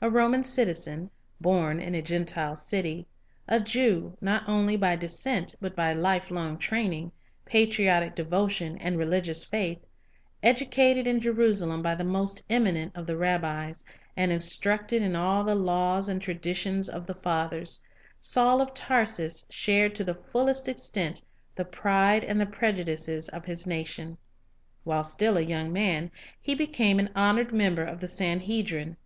A Roman citizen, born in a Gentile city; a Jew, not only by descent but by lifelong training, patriotic devotion, and religious faith ; educated in Jerusalem by the most eminent of the rabbis, and instructed in all the laws and traditions of the fathers, Saul of Tarsus shared to the fullest extent the pride and the prejudices of his nation. While still a young man, he became an honored member of the Sanhedrin.